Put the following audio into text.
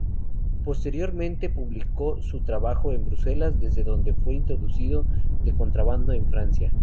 Posteriormente publicó su trabajo en Bruselas, desde donde fue introducido de contrabando en Francia.